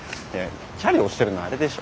チャリ押してるのあれでしょ。